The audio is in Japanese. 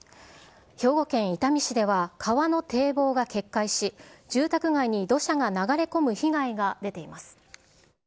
兵庫県伊丹市では、川の堤防が決壊し、住宅街に土砂が流れ込む被害が出ています。